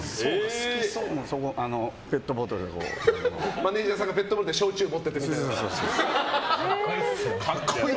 マネジャーさんがペットボトルの焼酎持ってってみたいな。